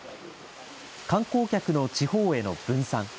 観光客の地方への分散。